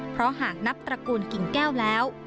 เพราะหากนับตระกูลกิ่งแก้วแล้ว